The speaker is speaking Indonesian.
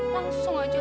langsung aja luluh